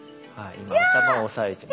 今頭を押さえてますね。